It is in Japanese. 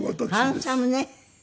ハンサムね。